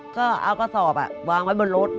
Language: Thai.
ก็เอากระสอบวางไว้บนรถ